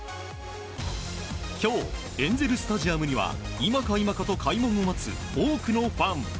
今日エンゼル・スタジアムには今か今かと開門を待つ多くのファン。